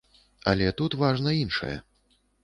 Але тут важна іншае.